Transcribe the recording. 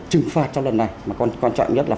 trừng phạt trong lần này mà còn quan trọng nhất là